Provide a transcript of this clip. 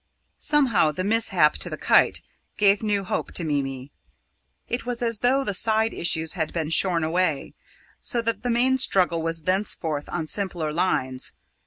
Somehow, the mishap to the kite gave new hope to Mimi. It was as though the side issues had been shorn away, so that the main struggle was thenceforth on simpler lines.